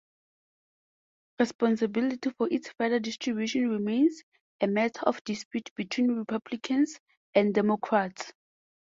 Responsibility for its further distribution remains a matter of dispute between Republicans and Democrats.